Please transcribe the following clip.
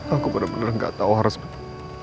aku bener bener gak tahu harus apa